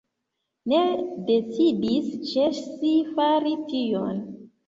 Ni decidis ĉesi fari tion.